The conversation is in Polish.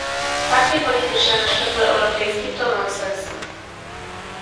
Partie polityczne na szczeblu europejskim to nonsens